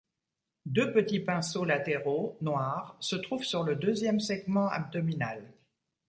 Deux petits pinceaux latéraux, noirs, se trouvent sur le deuxième segment abdominal.